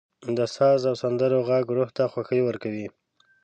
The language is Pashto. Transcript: • د ساز او سندرو ږغ روح ته خوښي ورکوي.